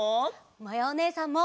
まやおねえさんも！